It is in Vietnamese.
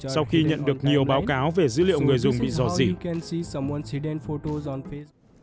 sau khi nhận được nhiều báo cáo về dữ liệu người dùng bị dò dỉ